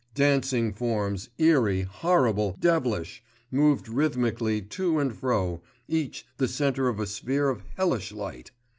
Dancing forms—eerie, horrible, devilish—moved rhythmically to and fro, each the centre of a sphere of hellish light.